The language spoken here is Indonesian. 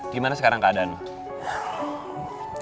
gimana sekarang keadaan lu